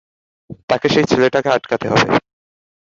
তাকে সেই ছেলেকে আটকাতে হবে।